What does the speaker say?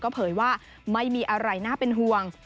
เผยว่าไม่มีอะไรน่าเป็นห่วง